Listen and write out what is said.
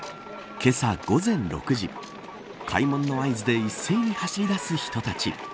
けさ午前６時開門の合図で一斉に走り出す人たち。